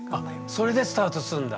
それでスタートすんだ。